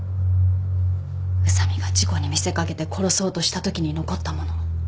宇佐美が事故に見せ掛けて殺そうとしたときに残った物。